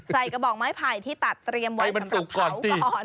กระบอกไม้ไผ่ที่ตัดเตรียมไว้สำหรับเผาก่อน